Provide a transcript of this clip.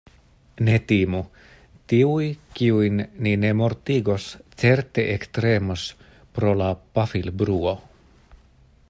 Ne timu! Tiuj, kiujn ni ne mortigos, certe ektremos pro la pafilbruo.